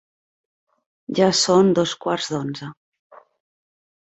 Ja són dos quarts d'onze.